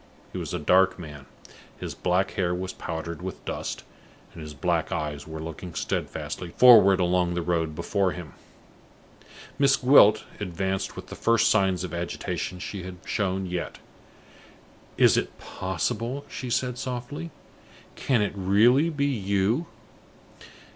He was a dark man, his black hair was powdered with dust, and his black eyes were looking steadfastly forward along the road before him. Miss Gwilt advanced with the first signs of agitation she had shown yet. "Is it possible?" she said, softly. "Can it really be you?"